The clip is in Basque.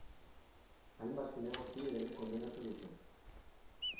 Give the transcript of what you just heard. Hainbat zinegotzi ere kondenatu dute.